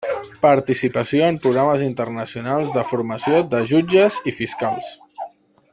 Participació en programes internacionals de formació de jutges i fiscals.